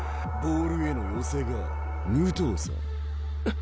ボールへの寄せが武藤さん。